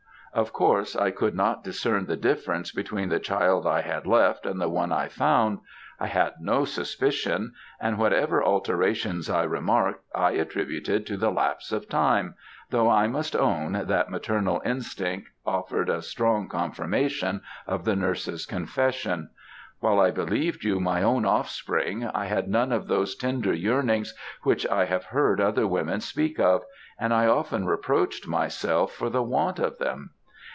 Of course, I could not discern the difference between the child I had left and the one I found. I had no suspicion; and whatever alterations I remarked, I attributed to the lapse of time though I must own that maternal instinct offered a strong confirmation of the nurse's confession. While I believed you my own offspring, I had none of those tender yearnings which I have heard other women speak of, and I often reproached myself for the want of them.